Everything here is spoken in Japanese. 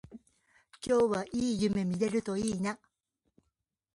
今日はいい夢見れるといいな